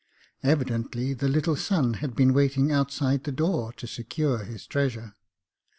Evidently the little son had been waiting outside the door to secure his treasure.